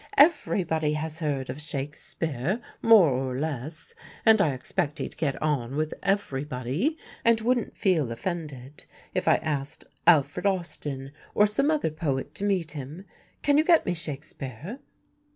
Everybody has heard of Shakespeare, more or less, and I expect he'd get on with everybody, and wouldn't feel offended if I asked Alfred Austin or some other poet to meet him. Can you get me Shakespeare?"